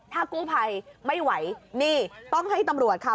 ถ้ากู้ภัยไม่ไหวนี่ต้องให้ตำรวจค่ะ